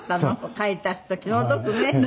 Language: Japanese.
書いた人気の毒ね。